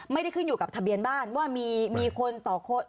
ไม่ได้ขึ้นอยู่กับทะเบียนบ้านว่ามีคนต่อคนมีกี่คนในแต่ละบ้าน